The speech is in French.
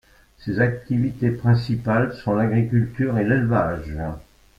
Ses activités principales sont l'agriculture et l'élevage.